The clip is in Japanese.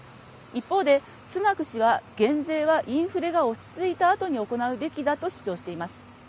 一方で、スナク氏は減税はインフレが落ち着いたあとに行うべきだと主張しています。